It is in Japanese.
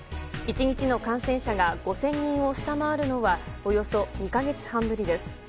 １日の感染者が５０００人を下回るのはおよそ２か月半ぶりです。